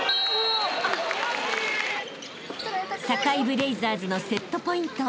［堺ブレイザーズのセットポイント］